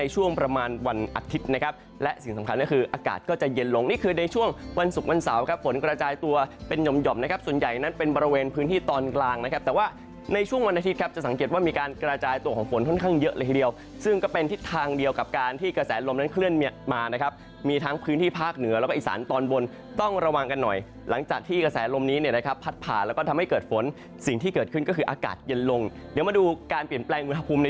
จะสังเกตว่ามีการกระจายตัวของฝนค่อนข้างเยอะเลยทีเดียวซึ่งก็เป็นทิศทางเดียวกับการที่กระแสลมนั้นเคลื่อนมานะครับมีทั้งพื้นที่ภาคเหนือแล้วก็อิสานตอนบนต้องระวังกันหน่อยหลังจากที่กระแสลมนี้เนี่ยนะครับผัดผ่านแล้วก็ทำให้เกิดฝนสิ่งที่เกิดขึ้นก็คืออากาศเย็นลงเดี๋ยวมาดูการเปลี่ยนแปล